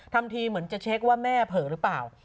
ทำทีเหมือนจะเช็คว่าแม่เผลอหรือเปล่า